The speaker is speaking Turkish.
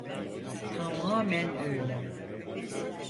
Tamamen öyle.